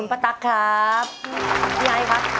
โฮลาเลโฮลาเล